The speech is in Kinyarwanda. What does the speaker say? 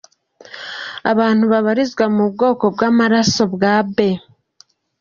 Abantu babarizwa mu bwoko bw’amaraso bwa B .